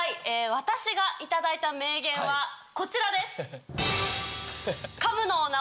私が頂いた名言はこちらです。